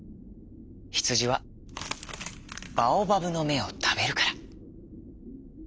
ヒツジはバオバブのめをたべるから。